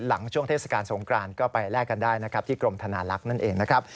ช่วงเทศกาลสงกรานก็ไปแลกกันได้นะครับที่กรมธนาลักษณ์นั่นเองนะครับ